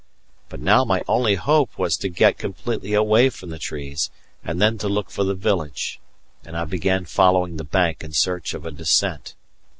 But now my only hope was to get completely away from the trees and then to look for the village, and I began following the bank in search of a descent.